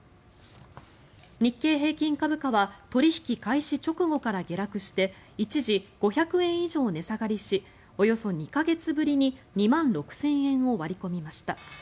日経平均株価は取引開始直後から下落して一時、５００円以上値下がりしおよそ２か月ぶりに２万６０００円を割り込みました。